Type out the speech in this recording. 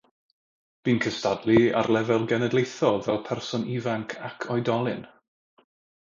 Bu'n cystadlu ar lefel genedlaethol fel person ifanc ac oedolyn.